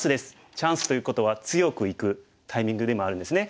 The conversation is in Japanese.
チャンスということは強くいくタイミングでもあるんですね。